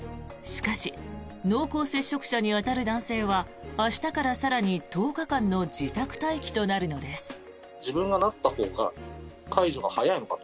しかし濃厚接触者に当たる男性は明日から更に１０日間の自宅待機となるのです。